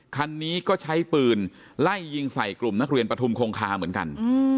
คันนี้ก็ใช้ปืนไล่ยิงใส่กลุ่มนักเรียนปฐุมคงคาเหมือนกัน